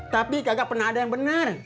tapi kagak pernah ada yang benar